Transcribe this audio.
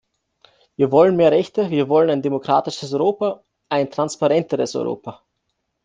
Wir wollen mehr Rechte, wir wollen ein demokratisches Europa, ein transparenteres Europa.